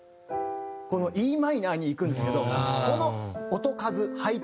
Ｅマイナーにいくんですけどこの音数配置